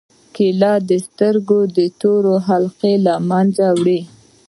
کېله د سترګو تور حلقې له منځه وړي.